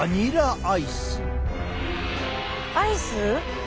アイス？